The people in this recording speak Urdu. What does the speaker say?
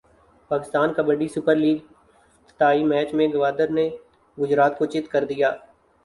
پاکستان کبڈی سپر لیگافتتاحی میچ میں گوادر نے گجرات کو چت کردیا